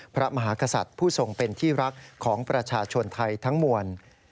พระมหากษัตริย์ผู้ทรงเป็นที่รักของประชาชนไทยทั้งมวล